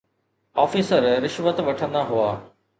Officer رشوت وٺندا هئا.